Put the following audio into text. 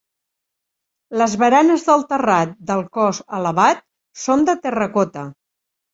Les baranes del terrat del cos elevat són de terracota.